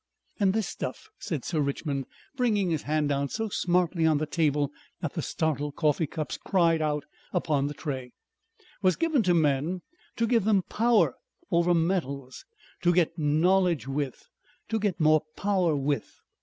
"And this stuff," said Sir Richmond, bringing his hand down so smartly on the table that the startled coffee cups cried out upon the tray; "was given to men to give them power over metals, to get knowledge with, to get more power with."